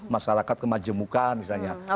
masyarakat kemajemukan misalnya